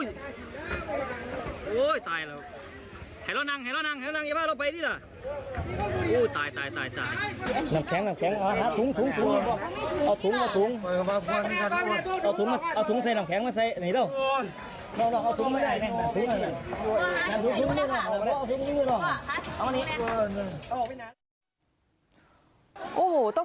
นำแข็งเสร็จตั๋วเอาถุง